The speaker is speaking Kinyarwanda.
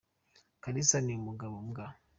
Kalisa ni umugabo mbwa!